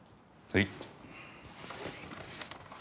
はい。